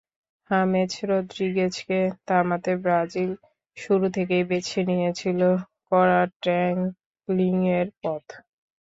James রদ্রিগেজকে থামাতে Brazil শুরু থেকেই বেছে নিয়েছিল কড়া ট্যাকলিংয়ের পথ।